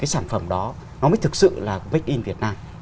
cái sản phẩm đó nó mới thực sự là make in việt nam